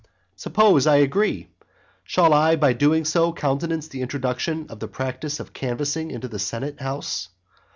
Suppose I agree, shall I by so doing countenance the introduction of the practice of canvassing into the senate house?